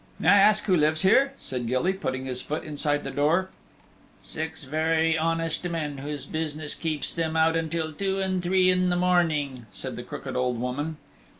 "May I ask who lives here?" said Gilly, putting his foot inside the door. "Six very honest men whose business keeps them out until two and three in the morning," said the crooked old woman.